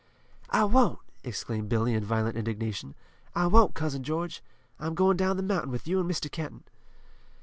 "I won't!" exclaimed Billy in violent indignation. "I won't, Cousin George. I'm going down the mountain with you an' Mr. Kenton."